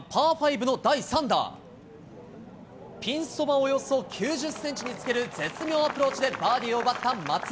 およそ９０センチにつける絶妙アプローチでバーディーを奪った松山。